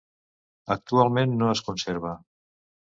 Actualment no es conserva.